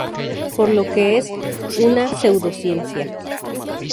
Por lo que es una pseudociencia.